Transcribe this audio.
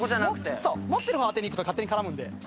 持ってる方当てにいくと勝手に絡むんで。